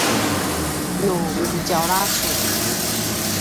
nu kitjaula sun